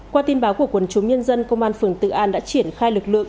qua tin báo của quân chống nhân dân công an phường tự an đã triển khai lực lượng